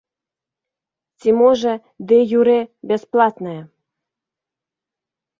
Ці можа дэ-юрэ бясплатная.